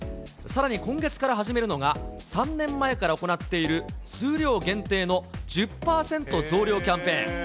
さらに今月から始めるのが、３年前から行っている数量限定の１０％増量キャンペーン。